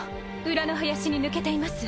裏の林に抜けています。